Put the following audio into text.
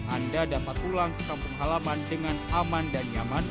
anda dapat pulang ke kampung halaman dengan aman dan nyaman